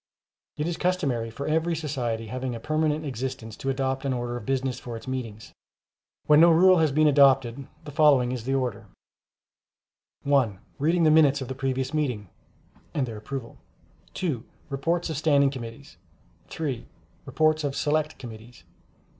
It is customary for every society having a permanent existence, to adopt an order of business for its meetings. When no rule has been adopted, the following is the order: (1) Reading the Minutes of the previous meeting [and their approval]. (2) Reports of Standing Committees. (3) Reports of Select Committees.